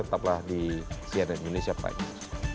tetaplah di cnn indonesia pak